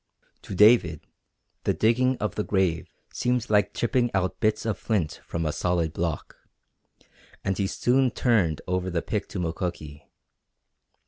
To David the digging of the grave seemed like chipping out bits of flint from a solid block, and he soon turned over the pick to Mukoki.